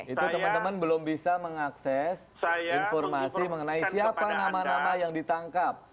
itu teman teman belum bisa mengakses informasi mengenai siapa nama nama yang ditangkap